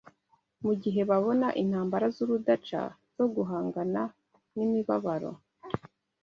mu gihe babona intambara z’urudaca zo guhangana n’imibabaro?